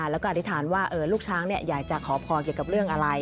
แล้วก็อธิษฐานว่าลูกช้างอยากจะขอพรเกี่ยวกับเรื่องอะไร